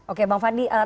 oke bang fadli